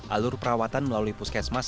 alur perawatan melalui puskesmas